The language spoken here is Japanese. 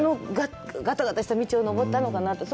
ガタガタした道を上ったのかなと。